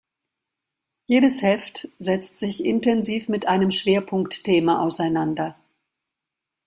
Jedes Heft setzt sich intensiv mit einem Schwerpunktthema auseinander.